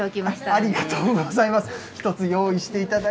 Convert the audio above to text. ありがとうございます。